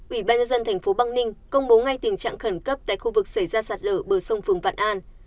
ủy ban nhân dân thành phố bắc ninh công bố ngay tình trạng khẩn cấp tại khu vực xảy ra sạt lở bờ sông phường vạn an